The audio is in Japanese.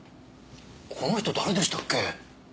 この人誰でしたっけ？